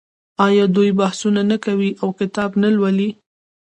آیا دوی بحثونه نه کوي او کتاب نه لوالي؟